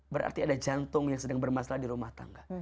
berarti ada jantung yang sedang bermasalah di rumah tangga